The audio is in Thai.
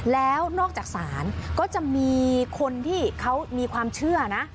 แล้วนอกจากศาลก็จะมีคนที่เขามีความเชื่อนะ